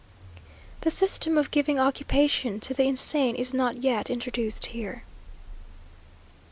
The system of giving occupation to the insane is not yet introduced here.